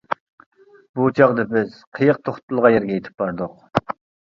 بۇ چاغدا بىز قېيىق توختىتىلغان يەرگە يېتىپ باردۇق.